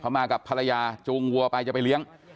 มากับภรรยาจูงวัวไปจะไปเลี้ยง